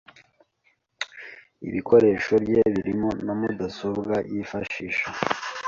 ibikoresho bye birimo na mudasobwa yifashisha